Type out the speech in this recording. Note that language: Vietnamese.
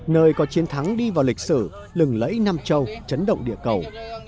nơi có chiến thắng đi vào lịch sử lừng lẫy nam châu chấn động địa cầu